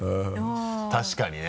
確かにね。